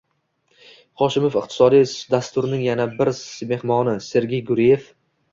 Hoshimov Iqtisodiy dasturning yana bir mehmoni - Sergey Guriyev